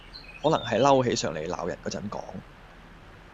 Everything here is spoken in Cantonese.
可能係嬲起上黎鬧人果陣講